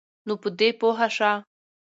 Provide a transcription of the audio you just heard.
نو په دی پوهه شه